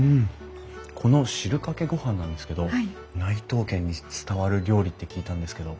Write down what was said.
この汁かけ御飯なんですけど内藤家に伝わる料理って聞いたんですけど。